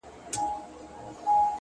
ذهن هغه څه تعقیبوي چې پرې تمرکز شي.